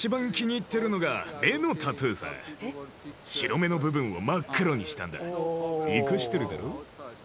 白目の部分を真っ黒にしたんだイカしてるだろ？